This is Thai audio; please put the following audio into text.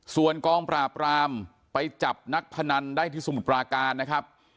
ส่วนกองปราบรามไปจับนักพนันได้ที่สมุทรปราการนะครับ